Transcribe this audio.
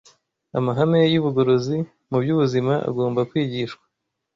Amahame y’ubugorozi mu by’ubuzima agomba kwigishwa